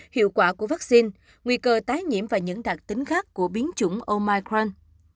hiệu quả của vaccine nguy cơ tái nhiễm và những đặc tính khác của biến chủng omicron